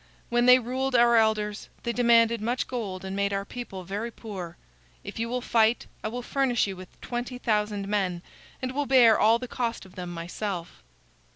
When they ruled our elders, they demanded much gold and made our people very poor. If you will fight, I will furnish you with twenty thousand men, and will bear all the cost of them myself."